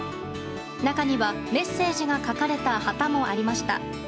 中にはメッセージが書かれた旗もありました。